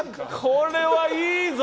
これはいいぞ！